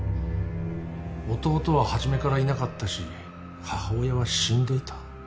弟は初めからいなかったし母親は死んでいた。